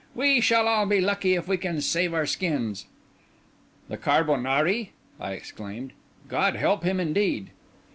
We shall all be lucky if we can save our skins." "The carbonari!" I exclaimed; "God help him indeed!"